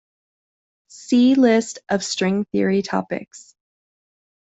"See list of string theory topics"